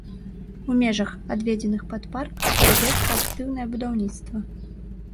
У межах, адведзеных пад парк, вядзецца актыўнае будаўніцтва.